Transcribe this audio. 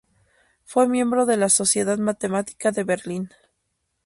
Fue miembro de la Sociedad Matemática de Berlín.